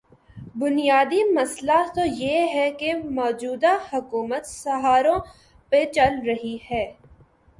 بنیادی مسئلہ تو یہ ہے کہ موجودہ حکومت سہاروں پہ چل رہی ہے۔